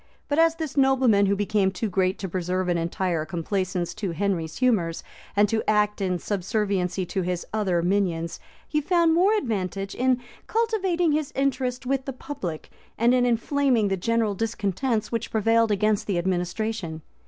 But as this nobleman was become too great to preserve an entire complaisance to Henry's humors, and to act in subserviency to his other minions, he found more advantage in cultivating his interest with the public, and in inflaming the general discontents which prevailed against the administration.